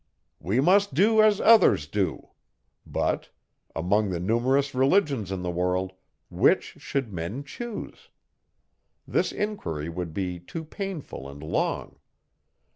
We must do as others do. But, among the numerous religions in the world, which should men choose? This inquiry would be too painful and long.